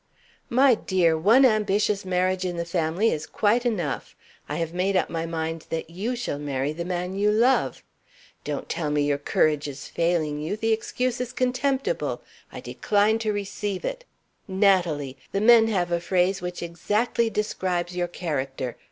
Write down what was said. "My dear, one ambitious marriage in the family is quite enough! I have made up my mind that you shall marry the man you love. Don't tell me your courage is failing you the excuse is contemptible; I decline to receive it. Natalie! the men have a phrase which exactly describes your character.